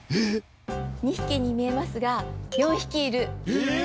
２匹に見えますが４匹いる。